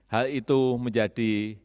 hal itu menjadi